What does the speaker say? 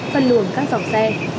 phân lường các dòng xe